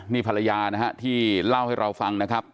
นี่ภรรยานะฮะที่เล่าให้เราฟังนะครับ